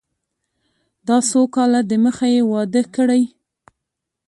دا څو کاله د مخه يې واده کړى.